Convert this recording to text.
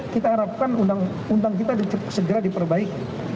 kita harapkan undang undang kita segera diperbaiki